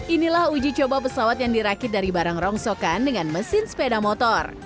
inilah uji coba pesawat yang dirakit dari barang rongsokan dengan mesin sepeda motor